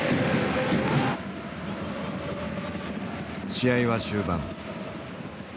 試合は終盤。